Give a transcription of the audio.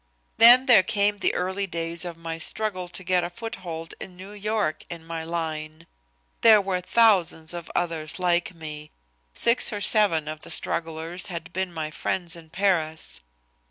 "Then there came the early days of my struggle to get a foothold in New York in my line. There were thousands of others like me. Six or seven of the strugglers had been my friends in Paris.